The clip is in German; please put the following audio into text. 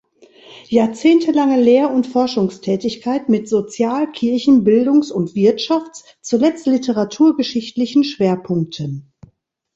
Jahrzehntelange Lehr- und Forschungstätigkeit mit sozial-, kirchen-, bildungs- und wirtschafts-, zuletzt literaturgeschichtlichen Schwerpunkten.